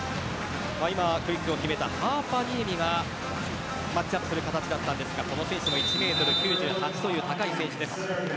今、クイックを決めたハーパニエミがマッチアップする形だったんですがこの選手も１ｍ９８という高い選手です。